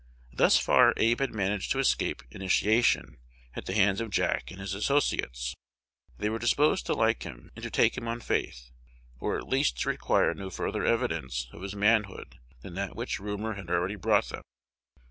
Thus far Abe had managed to escape "initiation" at the hands of Jack and his associates. They were disposed to like him, and to take him on faith, or at least to require no further evidence of his manhood than that which rumor had already brought them.